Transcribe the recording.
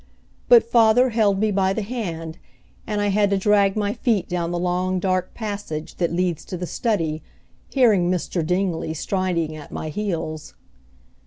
But father held me by the hand, and I had to drag my feet down the long dark passage that leads to the study, hearing Mr. Dingley striding at my heels.